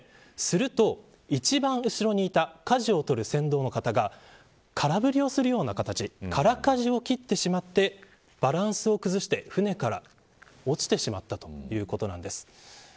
すると、一番後ろにいたかじを取る船頭の方が空振りをするような形空かじを切ってしまってバランスを崩して、舟から落ちてしまったということなんです。